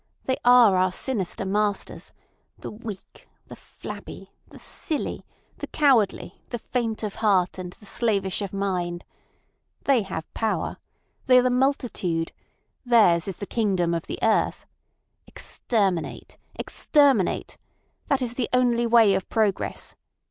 They are our sinister masters—the weak, the flabby, the silly, the cowardly, the faint of heart, and the slavish of mind. They have power. They are the multitude. Theirs is the kingdom of the earth. Exterminate, exterminate! That is the only way of progress.